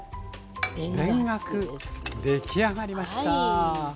出来上がりました。